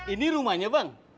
ini rumahnya bang